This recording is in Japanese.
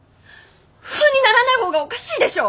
不安にならない方がおかしいでしょ！